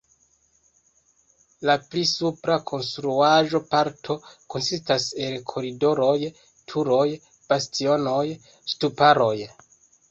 La pli supra konstruaĵo-parto konsistas el koridoroj, turoj, bastionoj, ŝtuparoj.